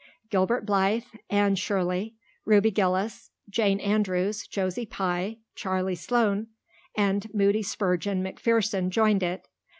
Gilbert Blythe, Anne Shirley, Ruby Gillis, Jane Andrews, Josie Pye, Charlie Sloane, and Moody Spurgeon MacPherson joined it.